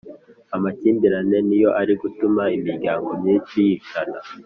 Amakimbirane niyo ari gutuma imiryango myinshi yicana